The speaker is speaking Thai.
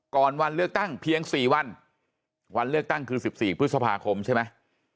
วันเลือกตั้งเพียง๔วันวันเลือกตั้งคือ๑๔พฤษภาคมใช่ไหม